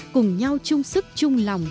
cùng nhau chung sức chung lòng